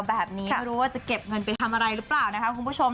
แบบนี้ก็รู้ค่ะว่าจะเก็บเงินไปทำอะไรล่ะบางครังคะคุณผู้ชม